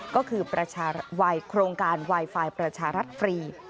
ก็คือโครงการไวไฟประชารัฐฟรี